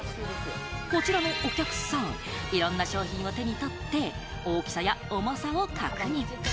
こちらのお客さん、いろんな商品を手に取って大きさや重さを確認。